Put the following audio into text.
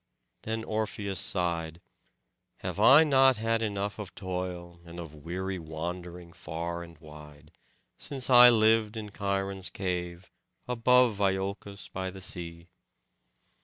Then Orpheus sighed: "Have I not had enough of toil and of weary wandering far and wide, since I lived in Cheiron's cave, above Iolcos by the sea?